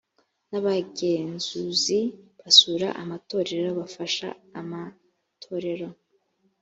n abagenzuzi basura amatorero bafasha amatorero